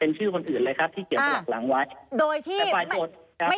เป็นชื่อคนอื่นเลยครับที่เขียนตลับหลังไว้